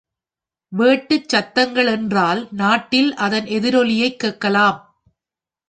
வேட்டு சத்தங்களென்றால் நாட்டில் அதன் எதிரொலியைக் கேட்கலாம்.